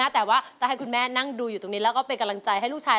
แต่ว่าจะให้คุณแม่นั่งดูอยู่ตรงนี้แล้วก็เป็นกำลังใจให้ลูกชาย